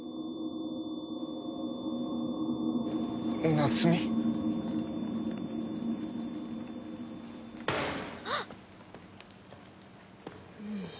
夏美？はっ！